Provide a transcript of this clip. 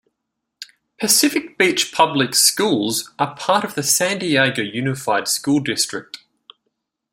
Pacific Beach public schools are part of the San Diego Unified School District.